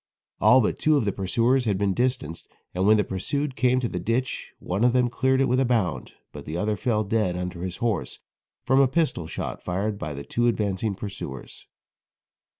All but two of the pursuers had been distanced, and when the pursued came to the ditch one of them cleared it with a bound, but the other fell dead under his horse from a pistol shot fired by the two advanced pursuers.